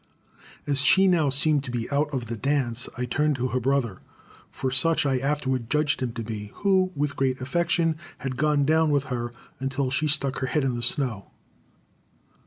As she now seemed to be out of the dance, I turned to her brother, for such I afterward judged him to be, who, with great affection, had gone down with her until she stuck her head in the snow.